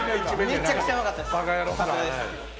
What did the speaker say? めっちゃくちゃやばかったです。